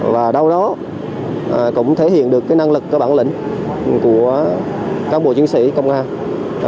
và đâu đó cũng thể hiện được cái năng lực cái bản lĩnh của cán bộ chiến sĩ công an